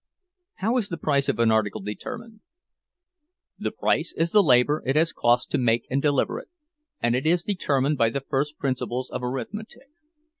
'" "How is the price of an article determined?" "The price is the labor it has cost to make and deliver it, and it is determined by the first principles of arithmetic.